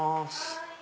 はい。